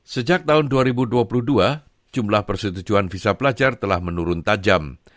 sejak tahun dua ribu dua puluh dua jumlah persetujuan visa pelajar telah menurun tajam